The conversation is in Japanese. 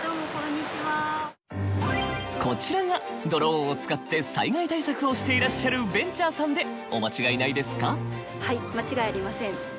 こちらがドローンを使って災害対策をしていらっしゃるベンチャーさんでお間違いないですか？